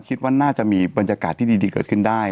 คิดว่าน่าจะมีบรรยากาศที่ดีเกิดขึ้นได้